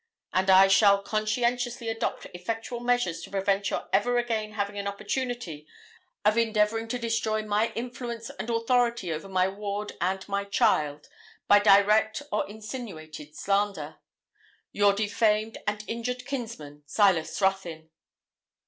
And I shall conscientiously adopt effectual measures to prevent your ever again having an opportunity of endeavouring to destroy my influence and authority over my ward and my child, by direct or insinuated slander. 'Your defamed and injured kinsman, SILAS RUTHYN.'